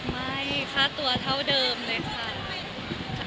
ไม่ค่าตัวเท่าเดิมเลยค่ะ